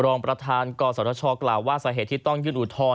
รองประธานกศชกล่าวว่าสาเหตุที่ต้องยื่นอุทธรณ